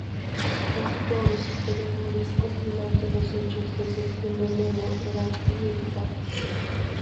Casi todos los historiadores opinan que los hechos de Septiembre Negro eran inevitables.